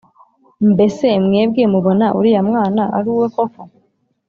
Mbese mwebwe mubona uriya mwana ari uwe koko